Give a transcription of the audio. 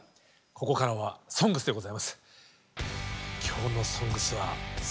ここからは「ＳＯＮＧＳ」でございます。